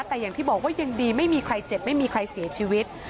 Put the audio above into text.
แต่อย่างที่บอกว่ายังดีไม่มีใครเจ็บไม่มีใครเสียชีวิต